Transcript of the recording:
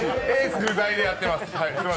不在でやってます。